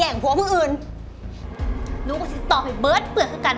สามารถรับชมได้ทุกวัย